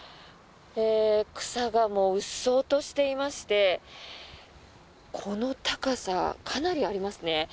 草がもう、うっそうとしていましてこの高さ、かなりありますね。